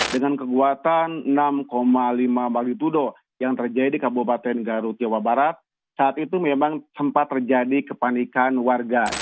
dengan kekuatan enam lima magnitudo yang terjadi di kabupaten garut jawa barat saat itu memang sempat terjadi kepanikan warga